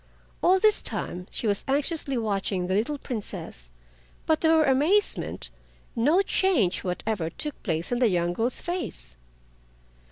All this time she was anxiously watching the little Princess, but to her amazement no change whatever took place in the young girl's face.